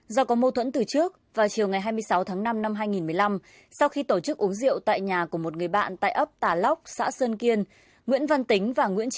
do có mâu thuẫn từ trước vào chiều ngày hai mươi sáu tháng năm năm hai nghìn một mươi năm sau khi tổ chức uống rượu tại nhà của một người bạn tại ấp tà lóc xã sơn kiên